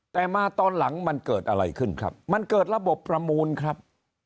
แต่มาตอนหลังมันเกิดอะไรขึ้นครับมันเกิดระบบประมูลครับ